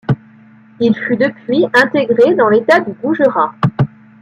Il fut depuis intégrer dans l'État du Goujerat.